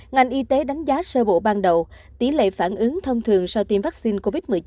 ngành y tế đánh giá sơ bộ ban đầu tỷ lệ phản ứng thông thường sau tiêm vaccine covid một mươi chín